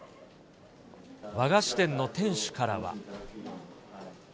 和菓子店の店主からは。